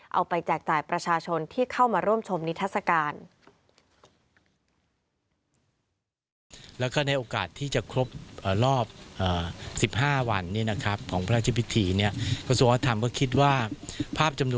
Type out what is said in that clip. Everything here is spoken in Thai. แจกจ่ายประชาชนที่เข้ามาร่วมชมนิทัศกาล